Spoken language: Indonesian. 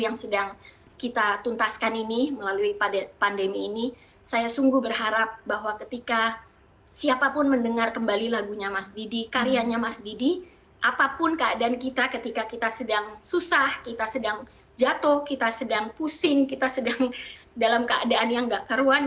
yang sedang kita tuntaskan ini melalui pandemi ini saya sungguh berharap bahwa ketika siapapun mendengar kembali lagunya mas didi karyanya mas didi apapun keadaan kita ketika kita sedang susah kita sedang jatuh kita sedang pusing kita sedang dalam keadaan yang nggak keruan